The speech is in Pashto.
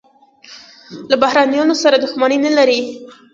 له بهرنیانو سره دښمني نه لري.